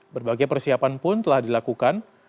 berbagai persiapan pun telah dilakukan